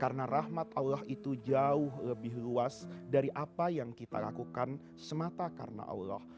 karena rahmat allah itu jauh lebih luas dari apa yang kita lakukan semata karena allah